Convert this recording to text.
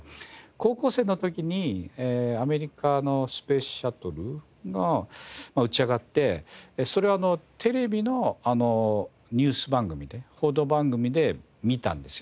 高校生の時にアメリカのスペースシャトルが打ち上がってそれをテレビのニュース番組で報道番組で見たんですよ。